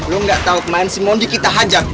lu gak tau keman si mondi kita hajar